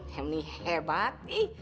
he yang ini hebat